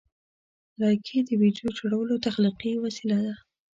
لایکي د ویډیو جوړولو تخلیقي وسیله ده.